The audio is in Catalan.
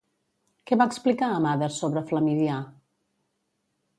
Què va explicar Amades sobre Flamidià?